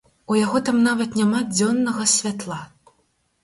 У яго там нават няма дзённага святла.